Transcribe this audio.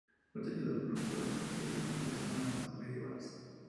Fue utilizada por los geógrafos y astrónomos musulmanes medievales.